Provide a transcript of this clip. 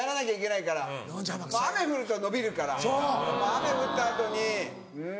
雨降った後にん？